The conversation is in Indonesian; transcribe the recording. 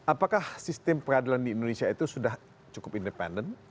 apakah sistem pengadilan di indonesia itu sudah cukup independen